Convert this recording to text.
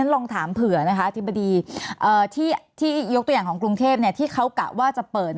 ลองถามเผื่อนะคะอธิบดีที่ยกตัวอย่างของกรุงเทพที่เขากะว่าจะเปิด